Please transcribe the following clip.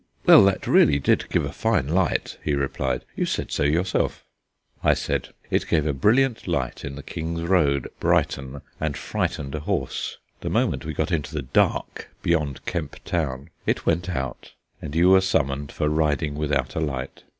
"Well, that really did give a fine light," he replied; "you said so yourself." I said: "It gave a brilliant light in the King's Road, Brighton, and frightened a horse. The moment we got into the dark beyond Kemp Town it went out, and you were summoned for riding without a light.